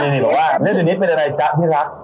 มีนิดลูกว่าอยู่นี้เป็นอะไรจ๊ะที่รัก